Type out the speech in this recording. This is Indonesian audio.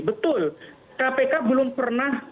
betul kpk belum pernah